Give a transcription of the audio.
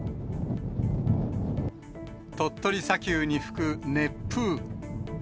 鳥取砂丘に吹く熱風。